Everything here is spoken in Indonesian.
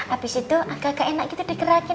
abis itu agak agak enak gitu dikerakin